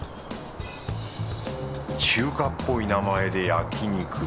中華っぽい名前で焼肉。